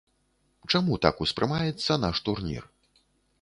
Чаму так успрымаецца наш турнір?